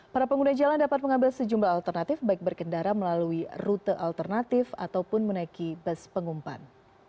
para pengguna jalan dapat mengambil sejumlah alternatif baik berkendara melalui rute alternatif ataupun menaiki bus pengumpan